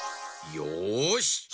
よし！